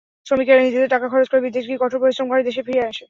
শ্রমিকেরা নিজেদের টাকা খরচ করে বিদেশ গিয়ে কঠোর পরিশ্রম করে দেশে ফেরে।